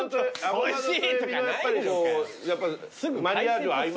おいしい。